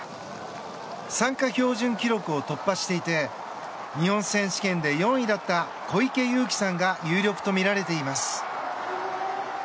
参加標準記録を突破していて日本選手権で４位だった小池祐貴さんが有力とみられています。